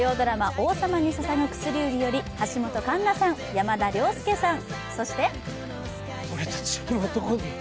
「王様に捧ぐ薬指」より橋本環奈さん、山田涼介さん。